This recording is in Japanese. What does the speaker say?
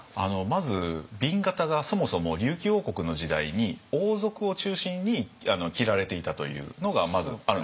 まず紅型がそもそも琉球王国の時代に王族を中心に着られていたというのがまずあるんです。